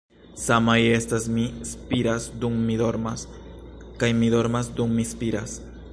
Samaj estas 'Mi spiras dum mi dormas' kaj 'Mi dormas dum mi spiras.'